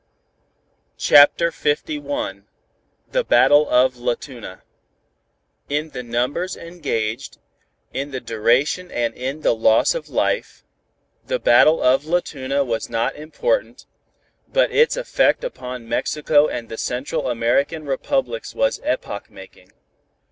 CHAPTER LI THE BATTLE OF LA TUNA In the numbers engaged, in the duration and in the loss of life, the battle of La Tuna was not important, but its effect upon Mexico and the Central American Republics was epoch making.